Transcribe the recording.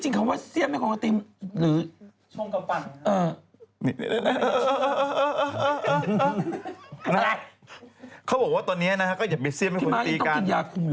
เหมือนมาก